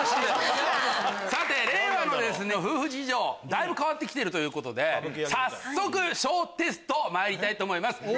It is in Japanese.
さて令和の夫婦事情変わって来てるということで早速小テストまいりたいと思います。